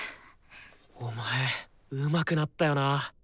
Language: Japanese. お前うまくなったよなぁ。